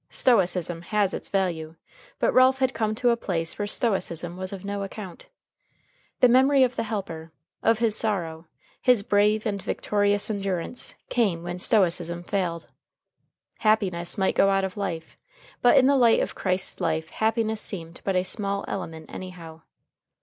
Stoicism has its value, but Ralph had come to a place where stoicism was of no account. The memory of the Helper, of his sorrow, his brave and victorious endurance, came when stoicism failed. Happiness might go out of life, but in the light of Christ's life happiness seemed but a small element anyhow.